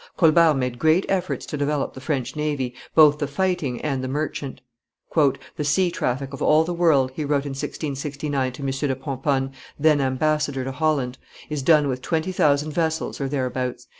Colbert made great efforts to develop the French navy, both the fighting and the merchant. "The sea traffic of all the world," he wrote in 1669 to M. de Pomponne, then ambassador to Holland, "is done with twenty thousand vessels or thereabouts.